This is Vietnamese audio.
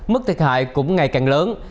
mức thiệt hại cũng ngày càng lớn